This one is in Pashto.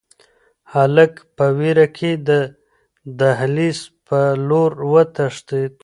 هلک په وېره کې د دهلېز په لور وتښتېد.